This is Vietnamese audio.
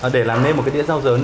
để làm nên một cái đĩa rau dấn